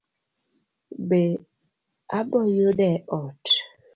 Be aboyude e ot?